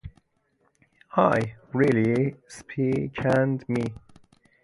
"He "really" spanked me!